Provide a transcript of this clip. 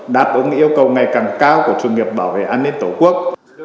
đáp ứng yêu cầu ngày càng cao của sự nghiệp bảo vệ an ninh tổ quốc